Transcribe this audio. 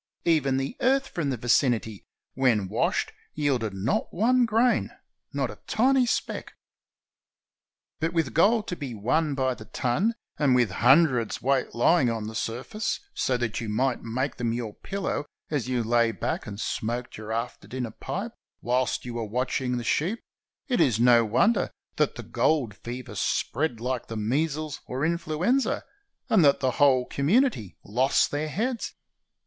Even the earth from 492 GOLD, GOLD, GOLD! the vicinity, when washed, yielded not one grain, not a tiny speck. But with gold to be won by the ton, and with hun dredweights lying on the surface, so that you might make them your pillow as you lay back and smoked your after dinner pipe whilst you were watching the sheep, it is no wonder that the gold fever spread like the measles or influenza, and that the whole community lost their heads.